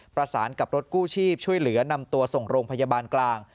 ประสานกับรถกู้ชีพช่วยเหลือนำตัวส่งโรงพยาบาลกลาง